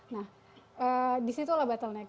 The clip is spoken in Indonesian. nah disitulah bottleneck